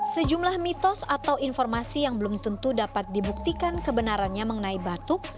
sejumlah mitos atau informasi yang belum tentu dapat dibuktikan kebenarannya mengenai batuk